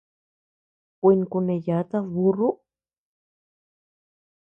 Kuin kuneyatad burru.